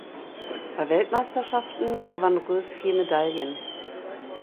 Bei Weltmeisterschaften gewann Roes vier Medaillen.